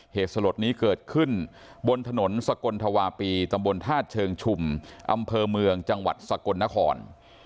เหตุสลดนี้เกิดขึ้นบนถนนสกลธวาปีตำบลธาตุเชิงชุมอำเภอเมืองจังหวัดสกลนคร